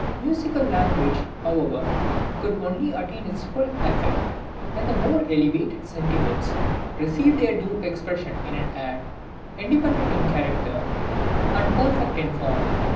Musical language, however, could only attain its full effect when the more elevated sentiments received their due expression in an air, independent in character and {OPERA SERIA.} (156) perfect in form.